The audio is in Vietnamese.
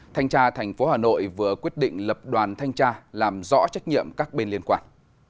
thanh tra tp hà nội vừa quyết định lập đoàn thanh tra làm rõ trách nhiệm các bên liên quan